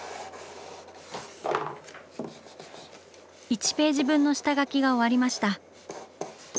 １ページ分の下描きが終わりました。